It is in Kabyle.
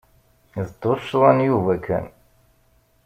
D tuccḍa n Yuba kan.